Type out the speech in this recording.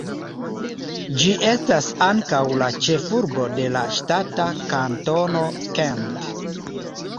Ĝi estas ankaŭ la ĉefurbo de la ŝtata Kantono Kent.